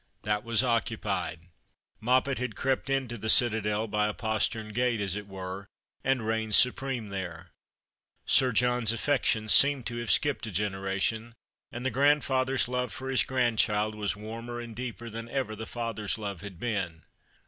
That was occupied. Moppet had crept into the citadel by a postern gate, as it were, and reigned supreme there. Sir John's affection seemed to have skipped a generation, and the grandfather's love for his grandchild was \\armer and deeper than ever the father's love had been.